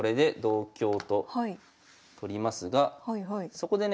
そこでね